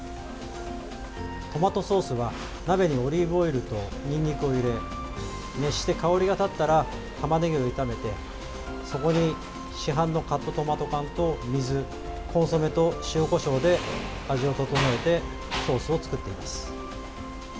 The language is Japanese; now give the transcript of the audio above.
トマトソースは、鍋にオリーブオイルとにんにくを入れ熱して香りが立ったらたまねぎを炒めてそこに市販のカットトマト缶と水コンソメと塩、こしょうで味を調えてソースを作っています。